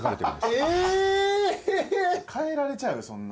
変えられちゃうそんな。